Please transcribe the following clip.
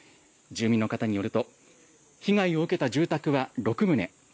住民の方によると被害を受けた住宅は６棟。